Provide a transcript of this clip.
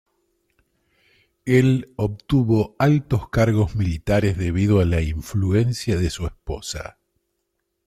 Él obtuvo altos cargos militares debido a la influencia de su esposa.